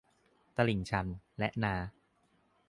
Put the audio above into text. ตลิ่งชัน และนา